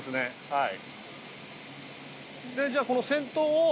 はい。